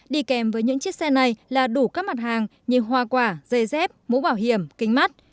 đi kèm với những chiếc xe này là đủ các mặt hàng như hoa quả dây dép mũ bảo hiểm kính mắt